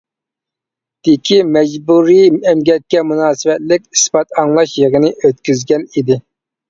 دىكى مەجبۇرىي ئەمگەككە مۇناسىۋەتلىك ئىسپات ئاڭلاش يىغىنى ئۆتكۈزگەن ئىدى.